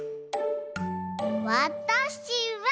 わたしは。